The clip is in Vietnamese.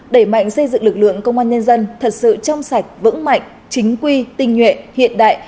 đẩy mạnh xây dựng lực lượng công an nhân dân thật sự trong sạch vững mạnh chính quy tinh nhuệ hiện đại